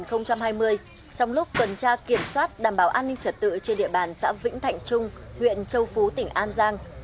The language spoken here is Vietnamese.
từ ba tháng bảy năm hai nghìn hai mươi trong lúc tuần tra kiểm soát đảm bảo an ninh trật tự trên địa bàn xã vĩnh thạnh trung huyện châu phú tỉnh an giang